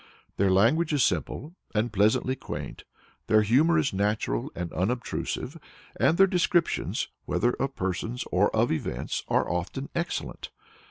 Their language is simple and pleasantly quaint, their humor is natural and unobtrusive, and their descriptions, whether of persons or of events, are often excellent.